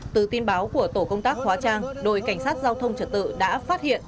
từ tin báo của tổ công tác hóa trang đội cảnh sát giao thông trật tự đã phát hiện